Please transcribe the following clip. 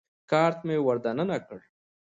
کارت مې ور دننه کړ.